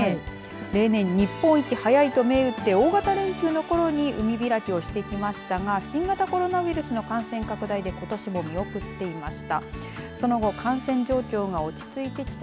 例年、日本一早いと銘打って大型連休のころに海開きをしてきましたが新型コロナウイルスの感染拡大でことしも見送っていました。